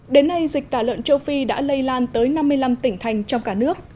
đến nay dịch tả lợn châu phi đã lây lan tới năm mươi năm tỉnh thành trong cả nước